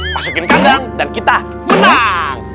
masukin kandang dan kita menang